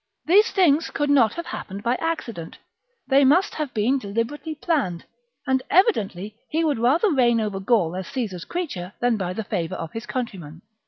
These things could not all have happened by accident : they must have been deliberately planned ; and evidently he would rather reign over Gaul as Caesar's creature than by the favour of his countrymen.